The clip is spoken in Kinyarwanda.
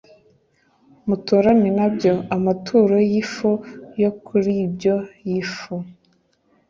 Muturane na byo amaturo y ifu yo kuri byo y ifu